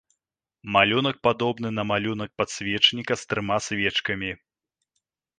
Малюнак падобны на малюнак падсвечніка з трыма свечкамі.